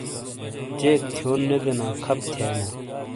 جیک تھیون نے دینا خپ تھیائینا ۔